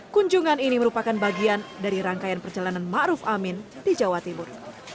kunjungan ini merupakan bagian dari rangkaian perjalanan ma'ruf amin di jawa timur